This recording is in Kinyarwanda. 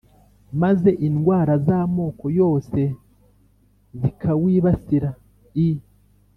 maze indwara z’amoko yose zikawibasira. i